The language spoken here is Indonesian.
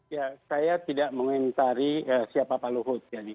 ya saya tidak mengintari siapa pak luhut